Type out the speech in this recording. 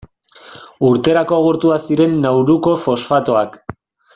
Urterako agortuak ziren Nauruko fosfatoak.